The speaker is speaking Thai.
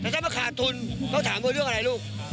แต่ถ้ามาขาดทุนต้องถามเขาเรื่องอะไรลูก